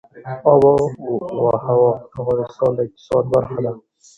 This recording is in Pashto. آب وهوا د افغانستان د اقتصاد برخه ده.